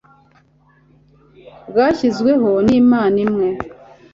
bwashyizweho ni mana imwe